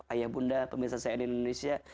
ayah bunda pemirsa saya di indonesia